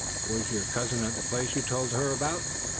"Was your cousin at the place you told her about?"